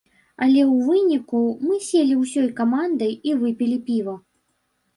Але ў выніку мы селі ўсёй камандай і выпілі піва.